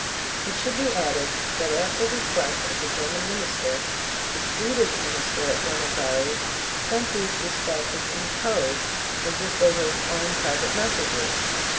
It should be added that at the request of the German minister, the Swedish minister at Buenos Aires sent these dispatches in code as if they were his own private messages.